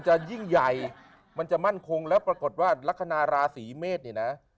จะยิ่งใหญ่มันจะมั่นคงแล้วปรากฏว่าลักษณะราศีเมษเนี่ยนะ